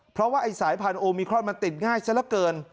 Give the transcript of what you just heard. เพราะว่าไอ้สายพันธุมิครอนมันติดง่ายซะละเกิน